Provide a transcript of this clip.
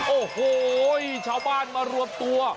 โอ้โหชาวบ้านมารวมตัว